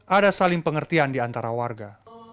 ada saling pengertian di antara warga